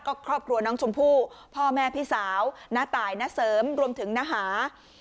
ก็ครอบครัวน้องชมพู่พ่อแม่พี่สาวน้าตายณเสริมรวมถึงนหา